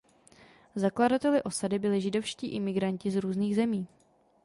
Zakladateli osady byli židovští imigranti z různých zemí.